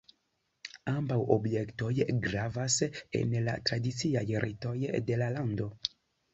Ambaŭ objektoj gravas en la tradiciaj ritoj de la lando.